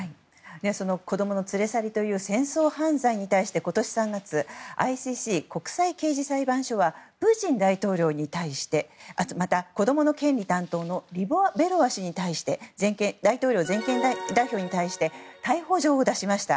子供の連れ去りという戦争犯罪について今年３月ＩＣＣ・国際刑事裁判所はプーチン大統領に対してまた、子供の権利担当のリボワ・ベロワ大統領全権代表に対して逮捕状を出しました。